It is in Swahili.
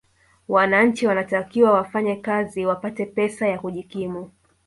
wananchi wanatakiwa wafanye kazi wapate pesa ya kujikimu